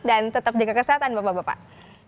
dan tetap jaga kesehatan bapak bapak